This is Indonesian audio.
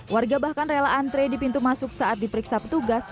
warga bahkan rela antre di pintu masuk saat diperiksa petugas